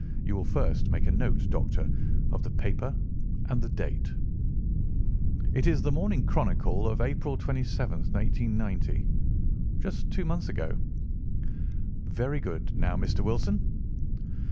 You will first make a note, Doctor, of the paper and the date." "It is The Morning Chronicle of April 27, 1890. Just two months ago." "Very good. Now, Mr. Wilson?"